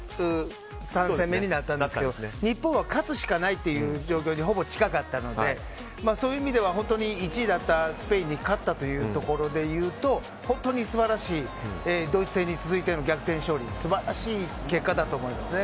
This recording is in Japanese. ３戦目になったんですけど日本は勝つしかないという状況にほぼ近かったのでそういう意味では１位だったスペインに勝ったというところでいうと本当に素晴らしいドイツ戦に続いての逆転勝利素晴らしい結果だと思います。